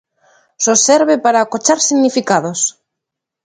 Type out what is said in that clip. Só serve para acochar significados.